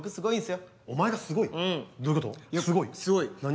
すごい？何？